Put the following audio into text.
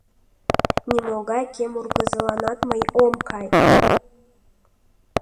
— Нимогай кемургызыланат мый ом кай!